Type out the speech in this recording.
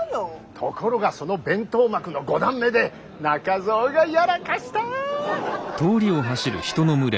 ところがその弁当幕の五段目で中蔵がやらかした。